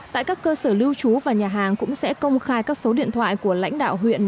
tại các cơ sở lưu trú và nhà hàng cũng sẽ công khai các số điện thoại của lãnh đạo huyện